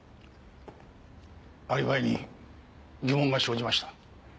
アリバイに疑問が生じました。